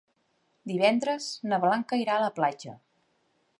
Divendres na Blanca irà a la platja.